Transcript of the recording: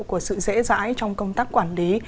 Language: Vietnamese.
của sự dễ dãi trong công tác quản lý